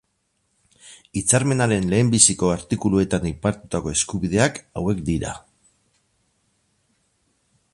Hitzarmenaren lehenbiziko artikuluetan aipatutako eskubideak hauek dira.